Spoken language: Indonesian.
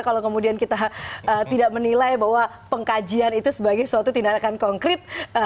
kalau kemudian kita tidak menilai bahwa pengkajian itu sebagai suatu tindakan konkret